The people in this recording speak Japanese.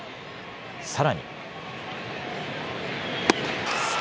さらに。